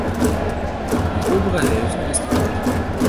Die obere Hälfte ist rot.